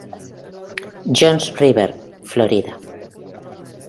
Johns River, Florida.